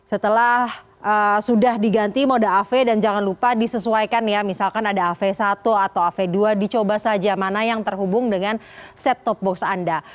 setelah sudah diganti mode av dan jangan lupa disesuaikan ya misalkan ada av satu atau av dua dicoba saja mana yang terhubung dengan set top box anda